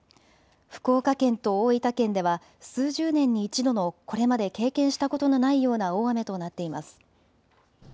福岡県と大分県では数十年に一度のこれまで経験したことのないような大雨となっています。